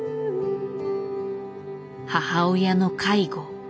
母親の介護。